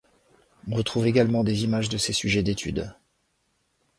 On retrouve également des images de ses sujets d'études.